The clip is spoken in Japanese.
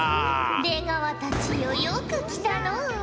出川たちよよく来たのう。